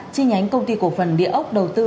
chi nhánh công ty cổ phần địa ốc đầu tư